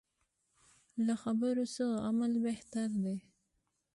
له خبرو څه عمل بهتر دی.